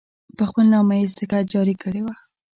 په خپل نامه یې سکه جاري کړې وه.